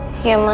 mas ivan dimana